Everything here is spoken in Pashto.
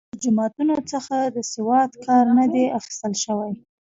له جوماتونو څخه د سواد کار نه دی اخیستل شوی.